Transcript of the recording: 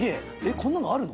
こんなのあるの？